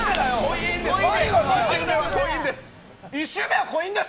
１周目はコインです。